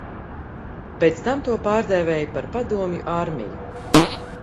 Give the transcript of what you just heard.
Pēc tam to pārdēvēja par Padomju armiju.